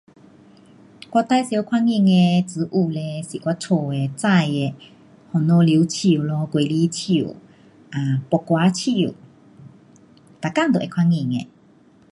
我最常看见的植物嘞是我家的，种的番石榴树咯，水果树，um 木瓜树，每天都会看见的。